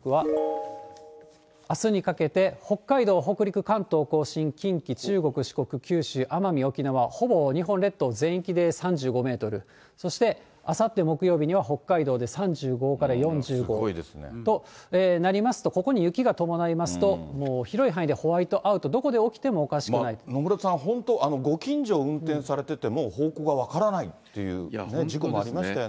風の予想見ていきますと、最大瞬間風速は、あすにかけて北海道、北陸、関東甲信、近畿、中国、四国、九州、奄美、沖縄、ほぼ日本列島全域で３５メートル、そしてあさって木曜日には北海道で３５から４５となりますと、ここに雪が伴いますと、広い範囲でホワイトアウト、どこで起きても野村さん、本当、ご近所運転されてても、方向が分からないという事故がありましたよね。